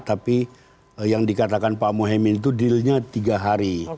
tapi yang dikatakan pak mohaimin itu dealnya tiga hari